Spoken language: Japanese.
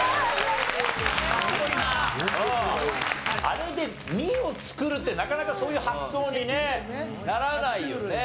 あれで「巳」を作るってなかなかそういう発想にねならないよね。